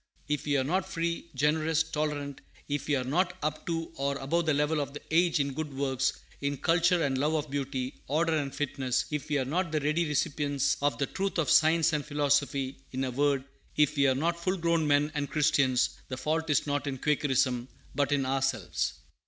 If we are not free, generous, tolerant, if we are not up to or above the level of the age in good works, in culture and love of beauty, order and fitness, if we are not the ready recipients of the truths of science and philosophy, in a word, if we are not full grown men and Christians, the fault is not in Quakerism, but in ourselves.